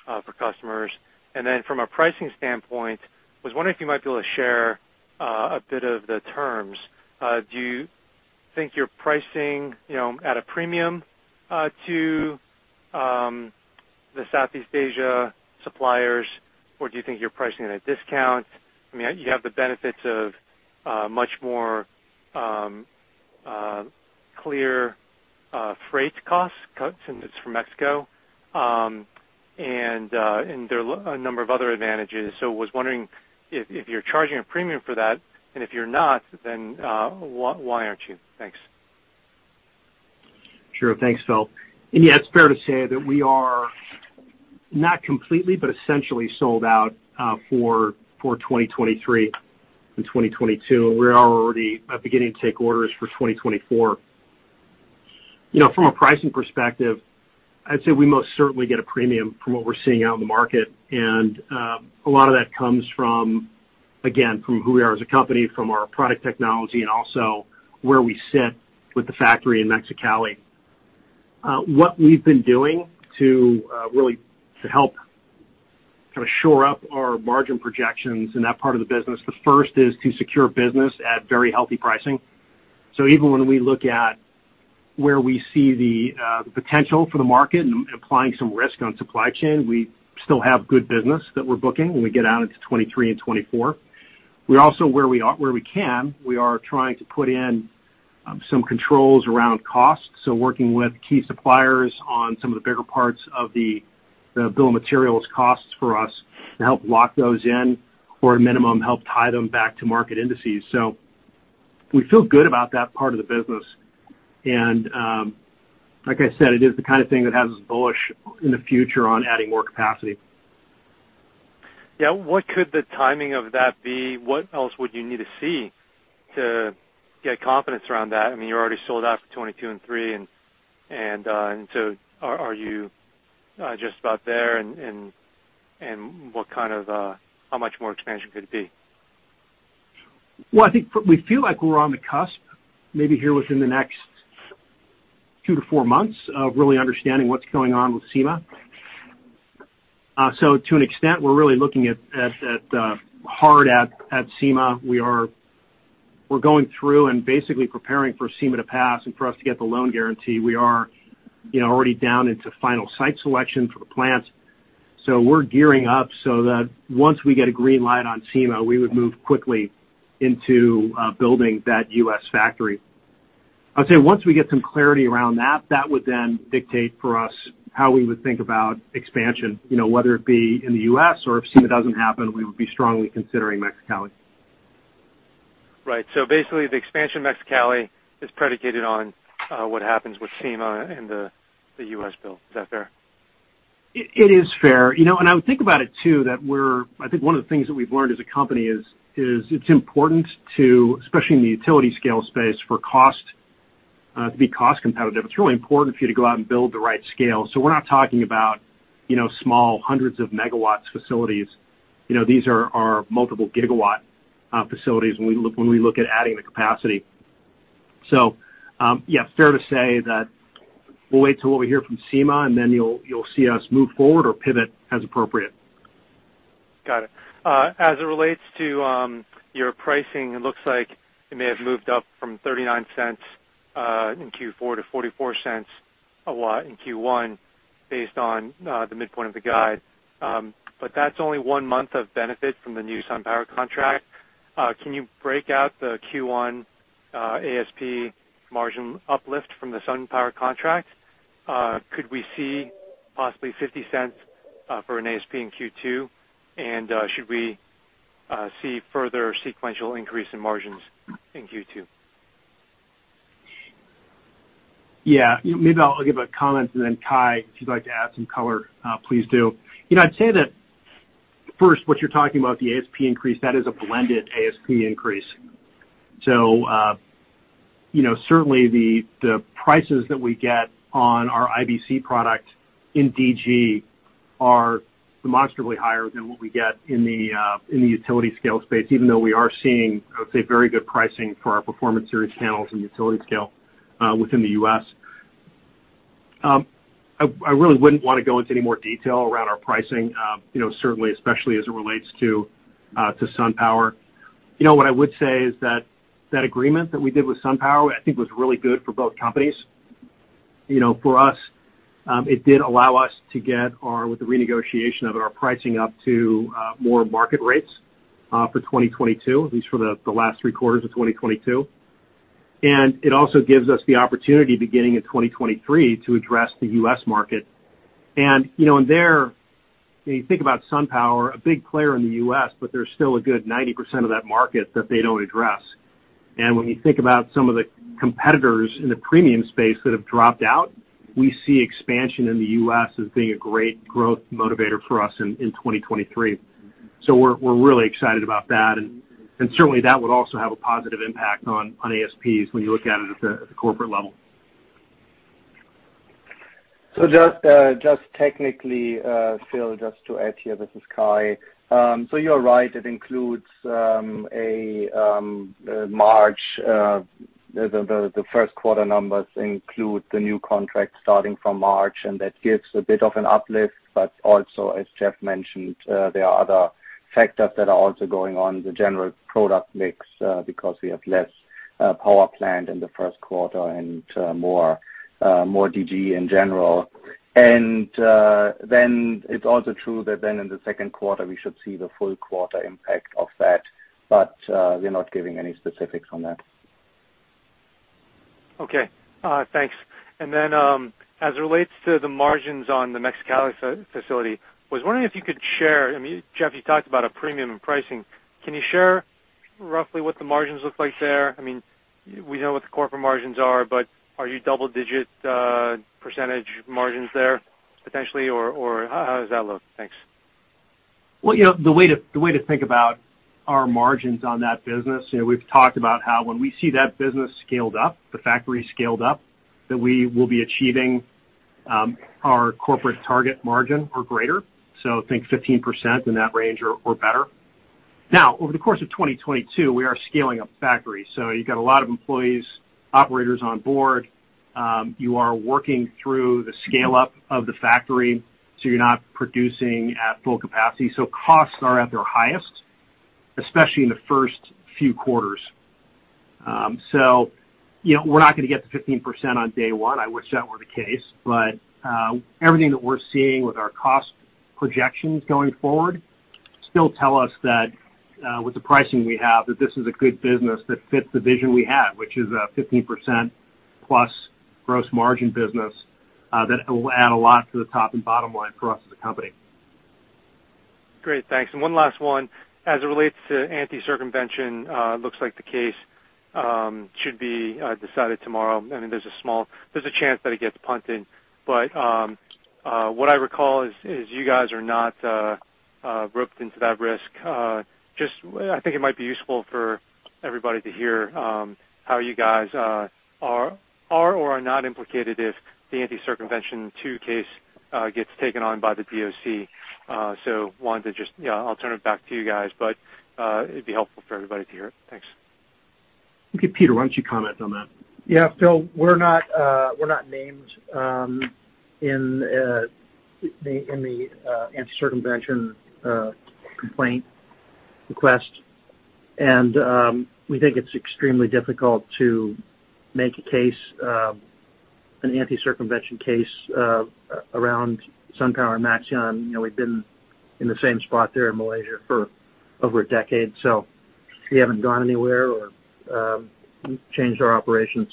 for customers? And then from a pricing standpoint, I was wondering if you might be able to share a bit of the terms. Do you think you're pricing you know, at a premium to the Southeast Asia suppliers, or do you think you're pricing at a discount? I mean, you have the benefits of much more clear freight costs cuts from Mexico, and there are a number of other advantages. I was wondering if you're charging a premium for that, and if you're not, then why aren't you? Thanks. Sure. Thanks, Phil. Yeah, it's fair to say that we are not completely, but essentially sold out for 2023 and 2022. We are already beginning to take orders for 2024. You know, from a pricing perspective, I'd say we most certainly get a premium from what we're seeing out in the market. A lot of that comes from, again, who we are as a company, from our product technology, and also where we sit with the factory in Mexicali. What we've been doing to really help kinda shore up our margin projections in that part of the business, the first is to secure business at very healthy pricing. Even when we look at where we see the potential for the market and applying some risk on supply chain, we still have good business that we're booking when we get out into 2023 and 2024. We're also, where we can, we are trying to put in some controls around costs, so working with key suppliers on some of the bigger parts of the bill of materials costs for us to help lock those in or at minimum, help tie them back to market indices. We feel good about that part of the business. Like I said, it is the kind of thing that has us bullish in the future on adding more capacity. Yeah. What could the timing of that be? What else would you need to see to get confidence around that? I mean, you're already sold out for 2022 and 2023 and so are you just about there and how much more expansion could it be? Well, I think we feel like we're on the cusp, maybe here within the next two to four months of really understanding what's going on with SEMA. To an extent, we're really looking hard at SEMA. We're going through and basically preparing for SEMA to pass and for us to get the loan guarantee. We are, you know, already down into final site selection for the plant. We're gearing up so that once we get a green light on SEMA, we would move quickly into building that U.S. factory. I'd say once we get some clarity around that would then dictate for us how we would think about expansion, you know, whether it be in the U.S. or if SEMA doesn't happen, we would be strongly considering Mexicali. Right. Basically, the expansion in Mexicali is predicated on what happens with SEMA and the U.S. bill. Is that fair? It is fair. You know, I would think about it too. I think one of the things that we've learned as a company is it's important to, especially in the utility scale space, for cost, to be cost competitive. It's really important for you to go out and build the right scale. We're not talking about, you know, small hundreds of megawatts facilities. You know, these are multiple gigawatt facilities when we look at adding the capacity. Yeah, fair to say that we'll wait till what we hear from SEMA, and then you'll see us move forward or pivot as appropriate. Got it. As it relates to your pricing, it looks like it may have moved up from $0.39 in Q4 to $0.44 in Q1 based on the midpoint of the guide. But that's only one month of benefit from the new SunPower contract. Can you break out the Q1 ASP margin uplift from the SunPower contract? Could we see possibly $0.50 for an ASP in Q2? Should we see further sequential increase in margins in Q2? Yeah. Maybe I'll give a comment, and then Kai, if you'd like to add some color, please do. You know, I'd say that, first, what you're talking about, the ASP increase, that is a blended ASP increase. So, you know, certainly the prices that we get on our IBC product in DG are demonstrably higher than what we get in the utility-scale space, even though we are seeing, I would say, very good pricing for our Performance Series panels in utility-scale within the U.S. I really wouldn't wanna go into any more detail around our pricing, you know, certainly especially as it relates to SunPower. You know, what I would say is that that agreement that we did with SunPower, I think was really good for both companies. You know, for us, it did allow us to get our, with the renegotiation of it, our pricing up to more market rates for 2022, at least for the last three quarters of 2022. It also gives us the opportunity beginning in 2023 to address the U.S. market. You know, when you think about SunPower, a big player in the U.S., but there's still a good 90% of that market that they don't address. When you think about some of the competitors in the premium space that have dropped out, we see expansion in the U.S. as being a great growth motivator for us in 2023. We're really excited about that. Certainly, that would also have a positive impact on ASPs when you look at it at the corporate level. Just technically, Phil, to add here, this is Kai. You're right. It includes a March, the first quarter numbers include the new contract starting from March, and that gives a bit of an uplift. Also, as Jeff mentioned, there are other factors that are also going on, the general product mix, because we have less power plant in the first quarter and more DG in general. It's also true that in the second quarter, we should see the full quarter impact of that, but we're not giving any specifics on that. Okay. Thanks. As it relates to the margins on the Mexicali facility, I was wondering if you could share. I mean, Jeff, you talked about a premium in pricing. Can you share roughly what the margins look like there? I mean, we know what the corporate margins are, but are you double-digit percentage margins there potentially? Or how does that look? Thanks. Well, you know, the way to think about our margins on that business, you know, we've talked about how when we see that business scaled up, the factory scaled up, that we will be achieving our corporate target margin or greater. So think 15% in that range or better. Now, over the course of 2022, we are scaling up the factory. So you've got a lot of employees, operators on board. You are working through the scale-up of the factory, so you're not producing at full capacity. So costs are at their highest, especially in the first few quarters. So, you know, we're not gonna get to 15% on day one. I wish that were the case. Everything that we're seeing with our cost projections going forward still tell us that, with the pricing we have, that this is a good business that fits the vision we have, which is a 15%+ gross margin business, that will add a lot to the top and bottom line for us as a company. Great. Thanks. One last one. As it relates to anti-circumvention, looks like the case should be decided tomorrow. I mean, there's a chance that it gets punted. What I recall is you guys are not roped into that risk. Just, I think it might be useful for everybody to hear how you guys are or are not implicated if the anti-circumvention too case gets taken on by the DOC. I wanted to just, you know, I'll turn it back to you guys, but it'd be helpful for everybody to hear it. Thanks. Okay, Peter, why don't you comment on that? Yeah. Phil, we're not named in the anti-circumvention complaint request. We think it's extremely difficult to make a case, an anti-circumvention case, around SunPower and Maxeon. You know, we've been in the same spot there in Malaysia for over a decade, so we haven't gone anywhere or changed our operations.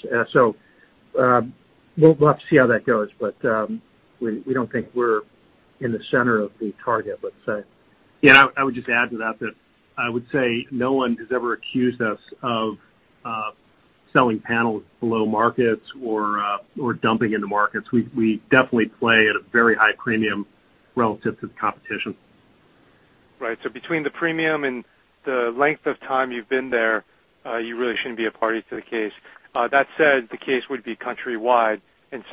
We'll have to see how that goes, but we don't think we're in the center of the target, let's say. Yeah. I would just add to that I would say no one has ever accused us of selling panels below markets or dumping in the markets. We definitely play at a very high premium relative to the competition. Right. Between the premium and the length of time you've been there, you really shouldn't be a party to the case. That said, the case would be countrywide, and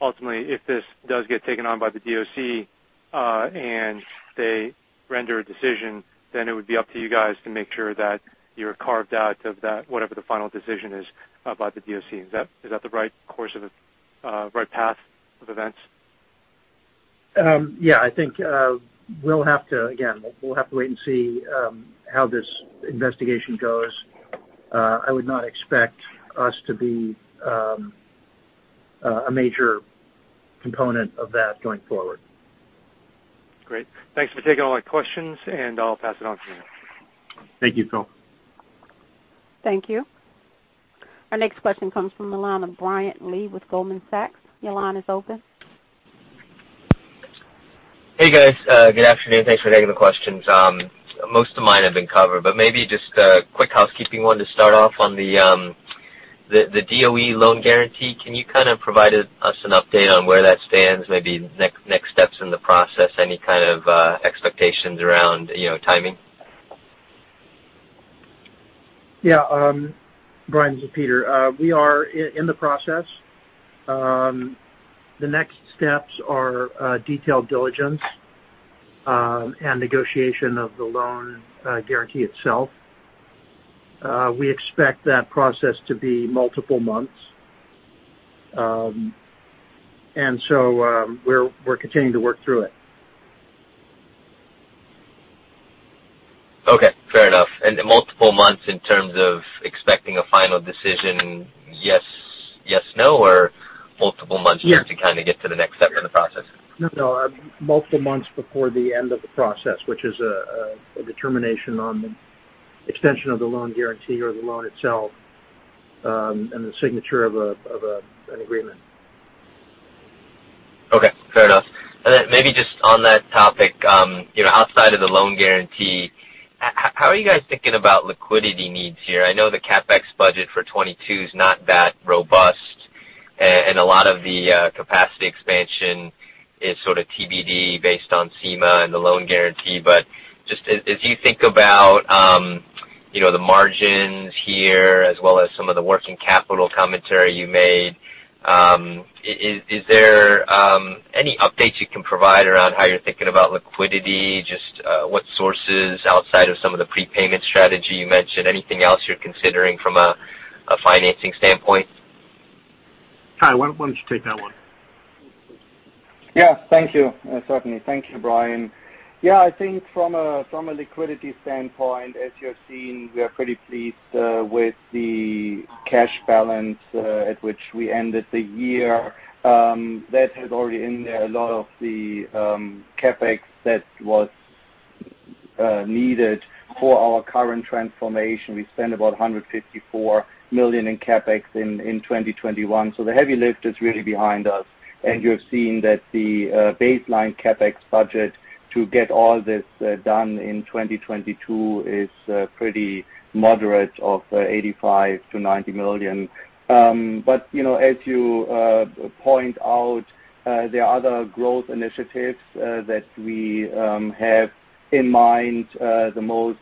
ultimately, if this does get taken on by the DOC, and they render a decision, then it would be up to you guys to make sure that you're carved out of that, whatever the final decision is about the DOC. Is that the right path of events? Yeah, I think again we'll have to wait and see how this investigation goes. I would not expect us to be a major component of that going forward. Great. Thanks for taking all my questions, and I'll pass it on from here. Thank you, Phil. Thank you. Our next question comes from Brian Lee with Goldman Sachs. Your line is open. Hey, guys. Good afternoon. Thanks for taking the questions. Most of mine have been covered, but maybe just a quick housekeeping one to start off. On the DOE loan guarantee, can you kind of provide us an update on where that stands, maybe next steps in the process, any kind of expectations around, you know, timing? Yeah. Brian, this is Peter. We are in the process. The next steps are detailed diligence and negotiation of the loan guarantee itself. We expect that process to be multiple months. We're continuing to work through it. Okay. Fair enough. Multiple months in terms of expecting a final decision, yes, no, or multiple months here to kind of get to the next step in the process? No, multiple months before the end of the process, which is a determination on the extension of the loan guarantee or the loan itself, and the signature of an agreement. Okay. Fair enough. Then maybe just on that topic, you know, outside of the loan guarantee, how are you guys thinking about liquidity needs here? I know the CapEx budget for 2022 is not that robust, and a lot of the capacity expansion is sort of TBD based on SEMA and the loan guarantee. Just as you think about the margins here as well as some of the working capital commentary you made, is there any updates you can provide around how you're thinking about liquidity, just what sources outside of some of the prepayment strategy you mentioned, anything else you're considering from a financing standpoint? Kai, why don't you take that one? Thank you. Certainly. Thank you, Brian. I think from a liquidity standpoint, as you have seen, we are pretty pleased with the cash balance at which we ended the year. That has already in there a lot of the CapEx that was needed for our current transformation. We spent about $154 million in CapEx in 2021, so the heavy lift is really behind us. You have seen that the baseline CapEx budget to get all this done in 2022 is pretty moderate of $85 million-$90 million. You know, as you point out, there are other growth initiatives that we have in mind, the most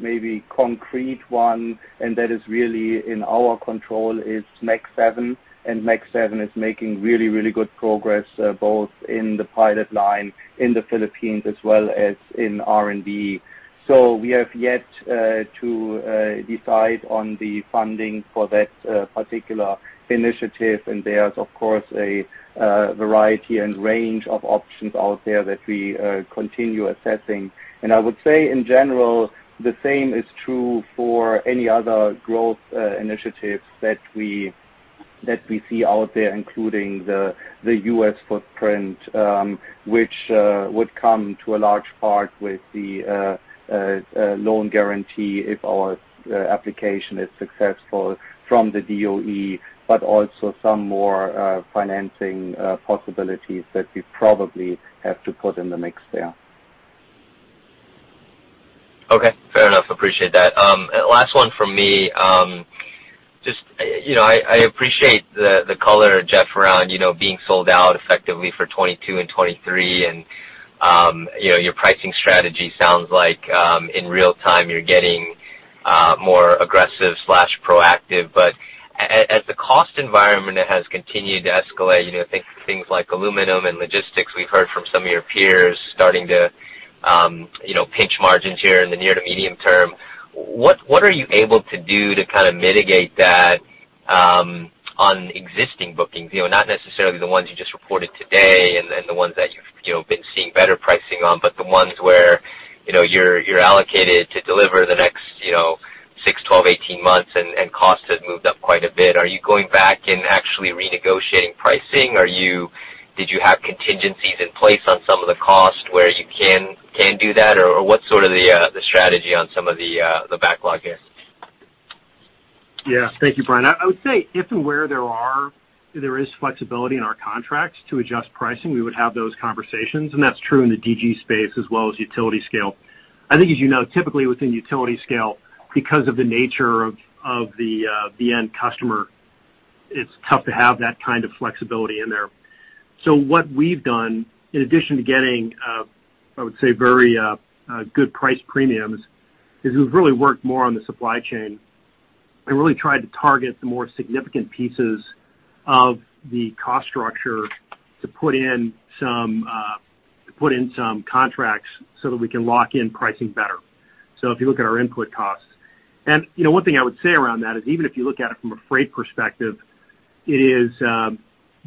maybe concrete one, and that is really in our control, is Max 7. Max 7 is making really, really good progress, both in the pilot line in the Philippines as well as in R&D. We have yet to decide on the funding for that particular initiative. There's, of course, a variety and range of options out there that we continue assessing. I would say in general, the same is true for any other growth initiatives that we see out there, including the U.S. footprint, which would come to a large part with the loan guarantee if our application is successful from the DOE, but also some more financing possibilities that we probably have to put in the mix there. Okay. Fair enough. Appreciate that. Last one from me. Just, you know, I appreciate the color, Jeff, around, you know, being sold out effectively for 2022 and 2023. Your pricing strategy sounds like, in real time you're getting more aggressive slash proactive. As the cost environment has continued to escalate, you know, think things like aluminum and logistics, we've heard from some of your peers starting to pinch margins here in the near to medium term. What are you able to do to kind of mitigate that on existing bookings? You know, not necessarily the ones you just reported today and the ones that you've, you know, been seeing better pricing on, but the ones where, you know, you're allocated to deliver the next, you know, six, 12, 18 months and costs have moved up quite a bit. Are you going back and actually renegotiating pricing? Did you have contingencies in place on some of the cost where you can do that? Or what's sort of the strategy on some of the backlog here? Yeah. Thank you, Brian. I would say if and where there is flexibility in our contracts to adjust pricing, we would have those conversations, and that's true in the DG space as well as utility scale. I think as you know, typically within utility scale, because of the nature of the end customer, it's tough to have that kind of flexibility in there. What we've done, in addition to getting, I would say very good price premiums, is we've really worked more on the supply chain. I really tried to target the more significant pieces of the cost structure to put in some contracts so that we can lock in pricing better. If you look at our input costs, one thing I would say around that is even if you look at it from a freight perspective, it is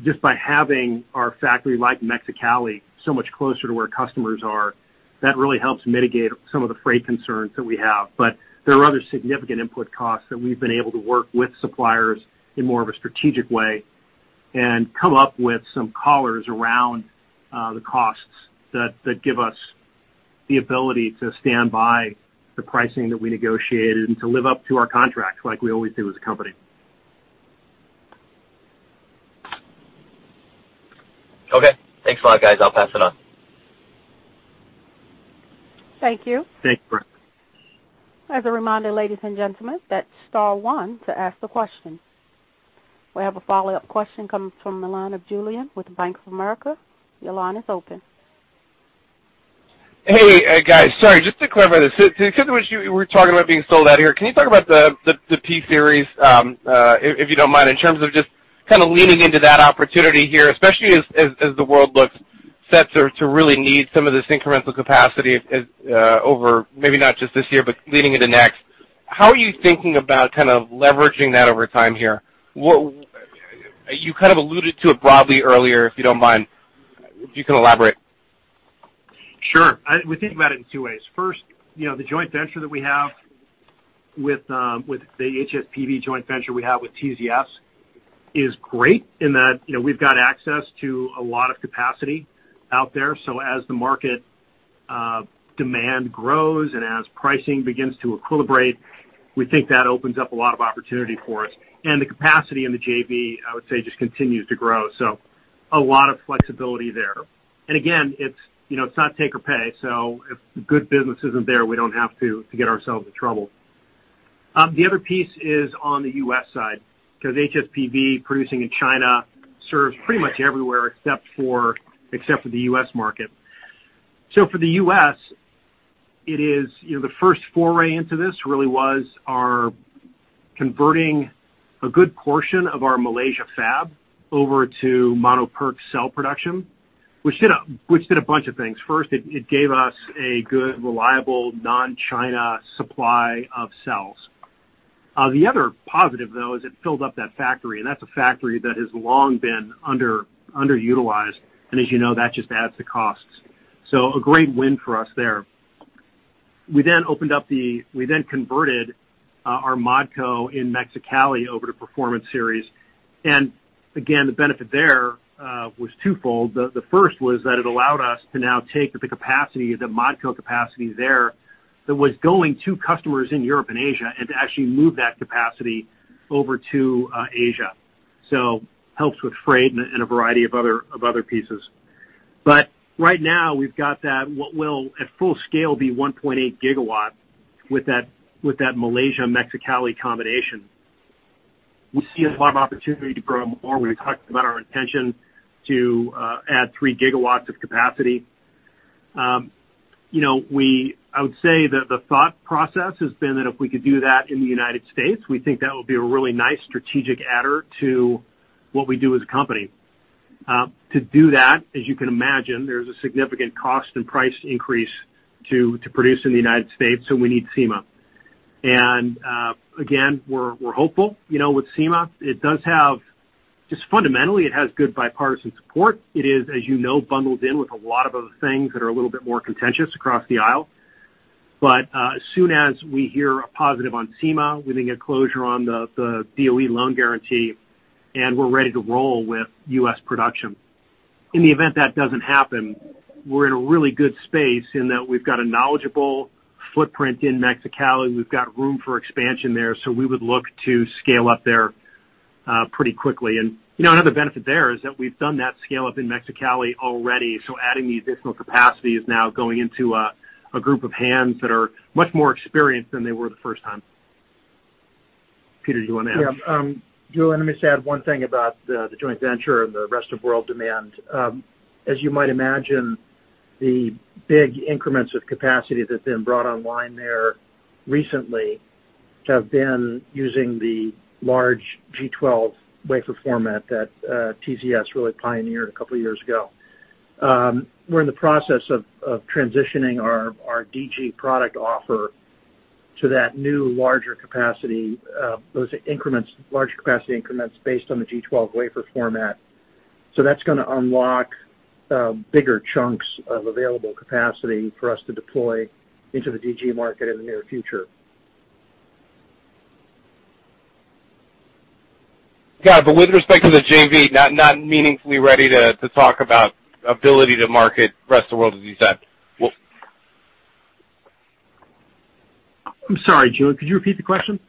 just by having our factory in Mexicali so much closer to where customers are, that really helps mitigate some of the freight concerns that we have. There are other significant input costs that we've been able to work with suppliers in more of a strategic way and come up with some collars around the costs that give us the ability to stand by the pricing that we negotiated and to live up to our contracts like we always do as a company. Okay. Thanks a lot, guys. I'll pass it on. Thank you. Thanks, Brian. As a reminder, ladies and gentlemen, that's star one to ask the question. We have a follow-up question coming from the line of Julien with Bank of America. Your line is open. Hey, guys. Sorry, just to clarify this. Because of what you were talking about being sold out here, can you talk about the P-Series, if you don't mind, in terms of just kinda leaning into that opportunity here, especially as the world looks set to really need some of this incremental capacity as over maybe not just this year, but leading into next. How are you thinking about kind of leveraging that over time here? You kind of alluded to it broadly earlier, if you don't mind, if you can elaborate. Sure. We think about it in two ways. First, you know, the joint venture that we have with the HSPV joint venture we have with TZS is great in that, you know, we've got access to a lot of capacity out there. As the market demand grows and as pricing begins to equilibrate, we think that opens up a lot of opportunity for us. The capacity in the JV, I would say, just continues to grow. A lot of flexibility there. Again, it's, you know, it's not take or pay. If good business isn't there, we don't have to get ourselves in trouble. The other piece is on the U.S. side, 'cause HSPV producing in China serves pretty much everywhere except for the U.S. market. For the U.S., it is, you know, the first foray into this really was our converting a good portion of our Malaysia fab over to mono PERC cell production, which did a bunch of things. First, it gave us a good, reliable non-China supply of cells. The other positive, though, is it filled up that factory, and that's a factory that has long been underutilized. As you know, that just adds to costs. A great win for us there. We then converted our Modco in Mexicali over to Performance Series. Again, the benefit there was twofold. The first was that it allowed us to now take the capacity, the Modco capacity there that was going to customers in Europe and Asia, and to actually move that capacity over to Asia. Helps with freight and a variety of other pieces. Right now, we've got that what will at full scale be 1.8 GW with that Malaysia-Mexicali combination. We see a lot of opportunity to grow more. We talked about our intention to add 3 GW of capacity. You know, I would say the thought process has been that if we could do that in the United States, we think that would be a really nice strategic adder to what we do as a company. To do that, as you can imagine, there's a significant cost and price increase to produce in the United States, so we need SEMA. Again, we're hopeful, you know, with SEMA. It does have just fundamentally good bipartisan support. It is, as you know, bundled in with a lot of other things that are a little bit more contentious across the aisle. As soon as we hear a positive on SEMA, we then get closure on the DOE loan guarantee, and we're ready to roll with U.S. production. In the event that doesn't happen, we're in a really good space in that we've got a knowledgeable footprint in Mexicali. We've got room for expansion there, so we would look to scale up there pretty quickly. You know, another benefit there is that we've done that scale-up in Mexicali already. Adding the additional capacity is now going into a group of hands that are much more experienced than they were the first time. Peter, do you wanna add? Yeah. Julien, let me just add one thing about the joint venture and the rest of world demand. As you might imagine, the big increments of capacity that have been brought online there recently have been using the large G12 wafer format that TZS really pioneered a couple of years ago. We're in the process of transitioning our DG product offer to that new larger capacity, those increments, larger capacity increments based on the G12 wafer format. That's gonna unlock bigger chunks of available capacity for us to deploy into the DG market in the near future. Got it. With respect to the JV, not meaningfully ready to talk about ability to market rest of world, as you said. I'm sorry, Julien. Could you repeat the question?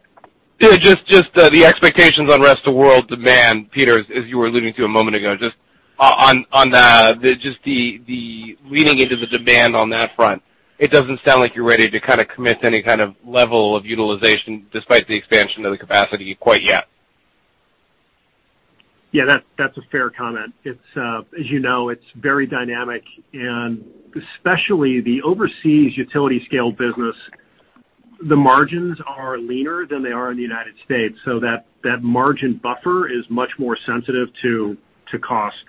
Yeah, just the expectations on rest of world demand, Peter, as you were alluding to a moment ago, just on the leaning into the demand on that front. It doesn't sound like you're ready to kinda commit to any kind of level of utilization despite the expansion of the capacity quite yet. Yeah, that's a fair comment. It's, as you know, it's very dynamic, and especially the overseas utility scale business, the margins are leaner than they are in the United States. That margin buffer is much more sensitive to costs.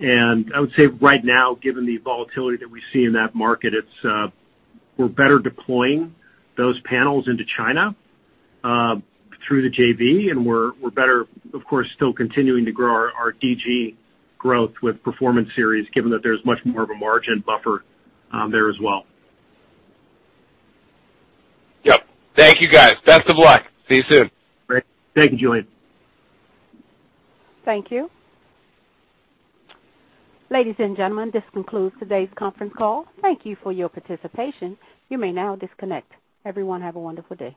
I would say right now, given the volatility that we see in that market, it's, we're better deploying those panels into China, through the JV, and we're better, of course, still continuing to grow our DG growth with Performance Series, given that there's much more of a margin buffer there as well. Yep. Thank you, guys. Best of luck. See you soon. Great. Thank you, Julien. Thank you. Ladies and gentlemen, this concludes today's conference call. Thank you for your participation. You may now disconnect. Everyone, have a wonderful day.